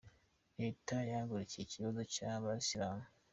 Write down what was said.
Leta yahagurukiye ikibazo cy’Abayisilamu